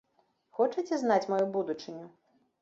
Хочаце знаць маю будучыню?